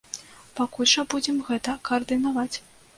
Пакуль жа будзем гэта каардынаваць.